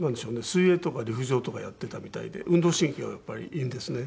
水泳とか陸上とかやっていたみたいで運動神経はやっぱりいいんですね。